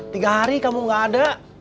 tiga hari kamu gak ada